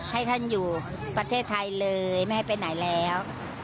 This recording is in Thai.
ให้ท่านอยู่ประเทศไทยเลยไม่ให้ไปไหนแล้ว